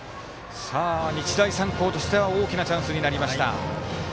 日大三高としては大きなチャンスになりました。